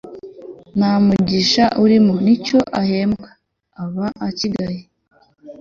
nta mugisha urimo, n'icyo ahembwa aba akigaye